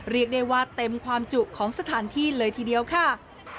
เรียกได้ว่าเต็มความจุของสถานที่เลยทีเดียวค่ะ